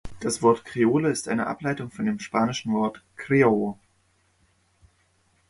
Das Wort Kreole ist eine Ableitung von dem spanischen Wort "Criollo".